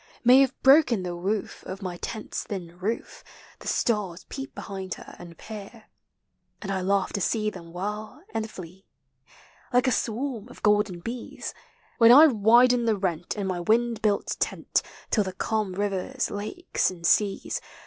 May have broken the woof of my tent's thin roof, The stars peep behind her and peer; And I laugh to see them whirl and flee. Like a swarm of golden bees, When I widen the rent in my wind built tent, Till the calm rivers, lakes, and seas.